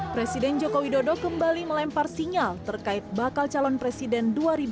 presiden joko widodo kembali melempar sinyal terkait bakal calon presiden dua ribu dua puluh